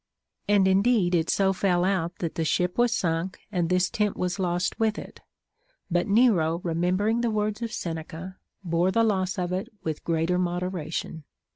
And indeed it so fell out that the ship was sunk, and this tent was lost with it. But Nero, rememberino; the words of Seneca, bore the loss of it with greater moderation.